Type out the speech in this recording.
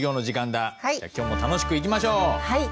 じゃあ今日も楽しくいきましょう。